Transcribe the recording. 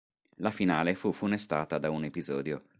La finale fu funestata da un episodio.